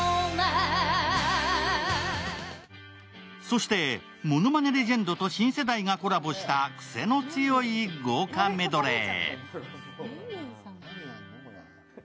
そしてものまねレジェンドと新世代がコラボした癖の強い豪華メドレー。